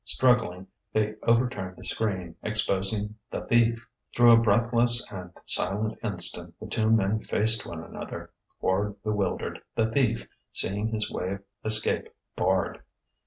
Struggling, they overturned the screen, exposing the Thief. Through a breathless and silent instant the two men faced one another, Quard bewildered, the Thief seeing his way of escape barred.